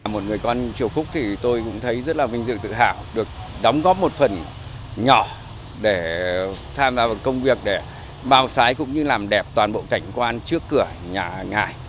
một người con triều khúc thì tôi cũng thấy rất là vinh dự tự hào được đóng góp một phần nhỏ để tham gia vào công việc để bao s cũng như làm đẹp toàn bộ cảnh quan trước cửa nhà hàng hải